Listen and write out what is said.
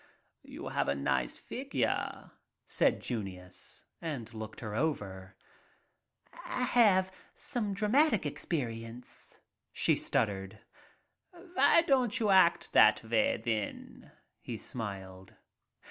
"You have a nice figure," said Junius, and looked her over. "I have had some dramatic experience," she stuttered. Vy don't you act that way, then," he smiled.